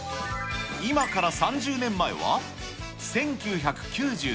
今から３０年前は、１９９２年。